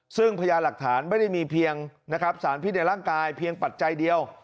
ซึ่งพยานหลักฐานไม่ได้มีเพียงนะครับสารพิษในร่างกายเพียงปัจจัยเดียว